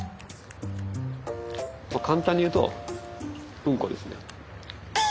簡単に言うとウンコですね。